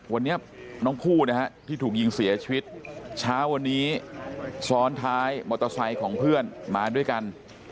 วันนี้น้องผู้นะฮะที่ถูกยิงเสียชีวิตเช้าวันนี้ซ้อนท้ายมอเตอร์ไซค์ของเพื่อนมาด้วยกัน